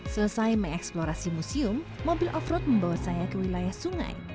selesai mengeksplorasi museum mobil off road membawa saya ke wilayah sungai